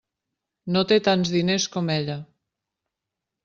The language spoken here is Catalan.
No té tants diners com ella.